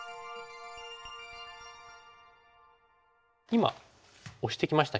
今オシてきましたけども。